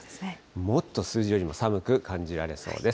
もっと数字よりも寒く感じられそうです。